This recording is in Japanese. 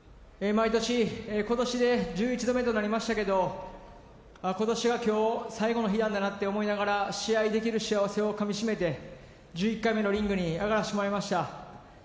今年で１１度目となりましたけど今年が今日最後の日なんだなと思いながら試合できる幸せをかみしめて１１回目のリングに上がらせてもらいました。